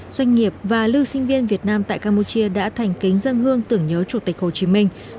doanh nghiệp và lưu sinh viên việt nam tại campuchia đã thành kính dân hương tưởng nhớ chủ tịch hồ chí minh